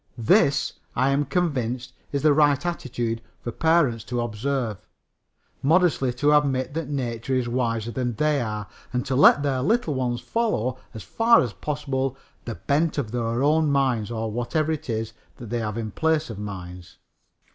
This, I am convinced, is the right attitude for parents to observe, modestly to admit that nature is wiser than they are, and to let their little ones follow, as far as possible, the bent of their own minds, or whatever it is that they have in place of minds.